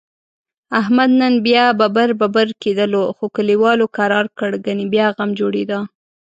احمد نن بیا ببر ببر کېدلو، خو کلیوالو کرارکړ؛ گني بیا غم جوړیدا.